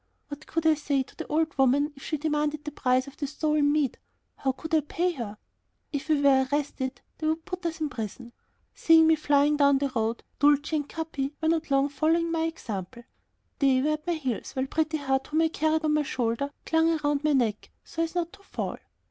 What could I say to the old woman if she demanded the price of the stolen meat? How could I pay her? If we were arrested they would put us in prison. Seeing me flying down the road, Dulcie and Capi were not long following my example; they were at my heels, while Pretty Heart, whom I carried on my shoulder, clung round my neck so as not to fall.